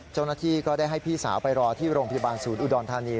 เจ้าหน้าที่ก็ได้ให้พี่สาวไปรอที่โรงพยาบาลศูนย์อุดรธานี